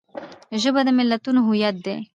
ژبه د ملتونو هویت دی